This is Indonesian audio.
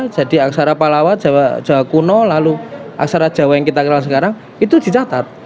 jadi aksara palawat jawa kuno lalu aksara jawa yang kita kenal sekarang itu dicatat